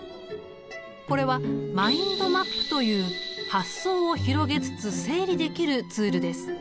これはマインドマップという発想を広げつつ整理できるツールです。